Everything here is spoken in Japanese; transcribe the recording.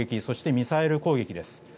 そして、ミサイル攻撃です。